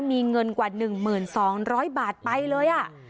มีเงินกว่าหนึ่งเหมือนสองร้อยบาทไปเลยอ่ะ